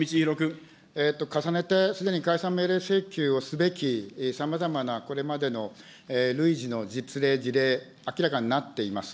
重ねて、すでに解散命令請求をすべきさまざまなこれまでの累次の実例、事例、明らかになっています。